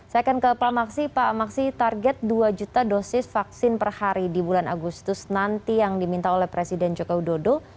saya akan ke pak maksi pak maksi target dua juta dosis vaksin per hari di bulan agustus nanti yang diminta oleh presiden joko widodo